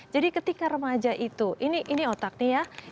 jadi ketika remaja itu ini otak nih ya